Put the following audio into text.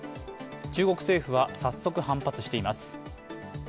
中国政府は早速、反発しています。